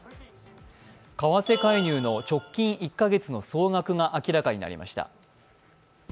為替介入の直近１か月の総額が明らかになりました。